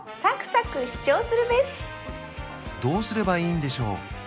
どうすればいいんでしょう？